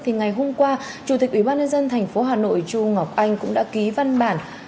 thì ngày hôm qua chủ tịch ubnd tp hà nội chu ngọc anh cũng đã ký văn bản